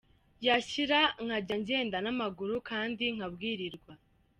Yashira nkajya ngenda n’amaguru kandi nkabwirirwa.